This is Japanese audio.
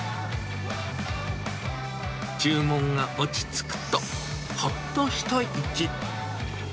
注文が落ち着くと、ほっと一息。